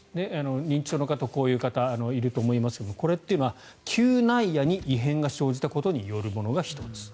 認知症の方はこういう方いると思いますがこれって嗅内野に異変が生じたことによるものが１つ。